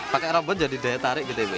pakai robot jadi daya tarik gitu ya ibu ya